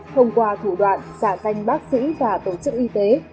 thông qua thủ đoạn xả danh bác sĩ và tổ chức y tế